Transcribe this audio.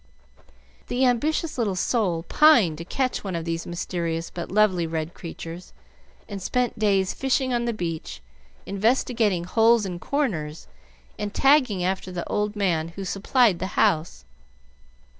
The ambitious little soul pined to catch one of these mysterious but lovely red creatures, and spent days fishing on the beach, investigating holes and corners, and tagging after the old man who supplied the house.